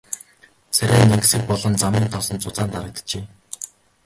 Царай нь энгэсэг болон замын тоосонд зузаан дарагджээ.